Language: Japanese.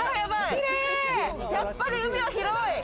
やっぱり海は広い。